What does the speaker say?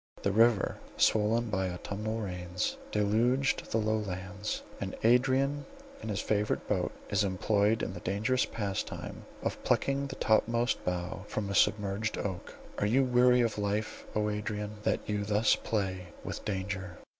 The river swollen by autumnal rains, deluged the low lands, and Adrian in his favourite boat is employed in the dangerous pastime of plucking the topmost bough from a submerged oak. Are you weary of life, O Adrian, that you thus play with danger?